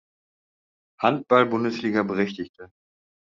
Handball-Bundesliga" berechtigte.